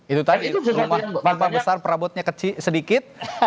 itu tadi rumah besar perabotnya sedikit